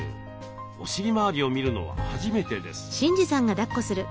お尻周りを見るのは初めてです。